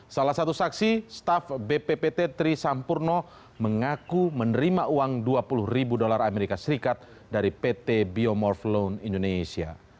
salah satu saksi staff bppt trisampurno mengaku menerima uang dua puluh ribu dolar as dari pt biomorph loan indonesia